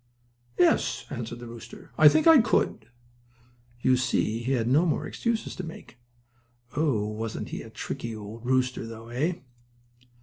"Yes," answered the rooster, "I think I could." You see he had no more excuses to make. Oh, wasn't he a tricky old rooster, though, eh?